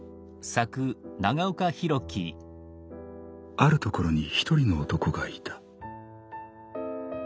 「あるところに一人の男がいた。